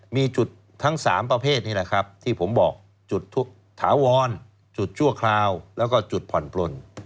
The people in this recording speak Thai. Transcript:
มีจุดทั้ง๓ประเภทนี้แหละครับที่ผมบอกจุดถาวรจุดชั่วคราวแล้วก็จุดผ่อนปลน